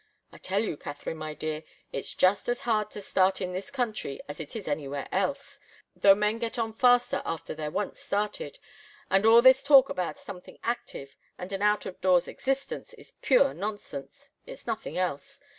I tell you, Katharine, my dear, it's just as hard to start in this country as it is anywhere else, though men get on faster after they're once started and all this talk about something active and an out of door existence is pure nonsense. It's nothing else.